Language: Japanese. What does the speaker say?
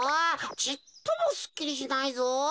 ちっともすっきりしないぞ。